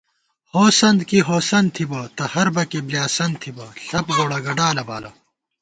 ہوسند کی ہوسند تھِبہ تہ ہربَکےبۡلیاسند تھِبہ ݪپ گوڑہ گڈالہ بالہ